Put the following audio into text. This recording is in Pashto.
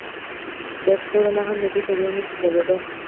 د کوڅه رڼا هم د دوی په زړونو کې ځلېده.